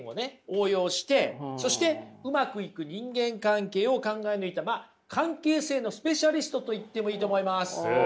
応用してそしてうまくいく人間関係を考え抜いたまあ関係性のスペシャリストと言ってもいいと思います。